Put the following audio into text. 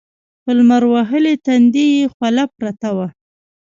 په لمر وهلي تندي يې خوله پرته وه.